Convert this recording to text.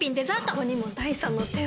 ここにも第三の手を。